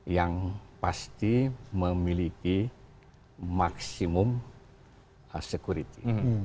yang pasti memiliki maksimum security